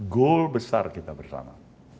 goal besar kita bersama